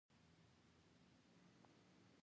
په یوه خوا د فرانک لوحې وې او بل خوا د جو